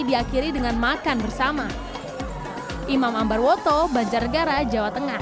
diakhiri dengan makan bersama imam ambarwoto banjarnegara jawa tengah